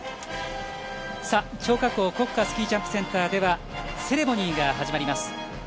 張家口国家スキージャンプセンターではセレモニーが始まります。